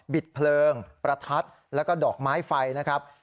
ดเพลิงประทัดแล้วก็ดอกไม้ไฟนะครับ